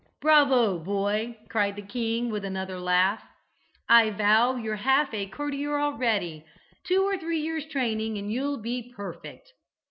"Bravo, boy!" cried the king with another laugh. "I vow you're half a courtier already. Two or three years' training and you'll be perfect."